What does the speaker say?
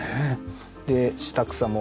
で下草も。